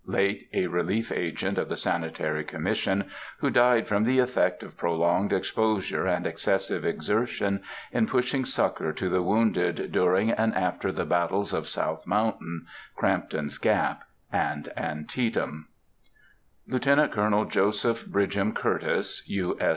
late a Relief Agent of the Sanitary Commission, who died from the effect of prolonged exposure and excessive exertion in pushing succor to the wounded during and after the battles of South Mountain, Crampton's Gap, and Antietam;— Lieut. Col. JOSEPH BRIDGHAM CURTIS, U.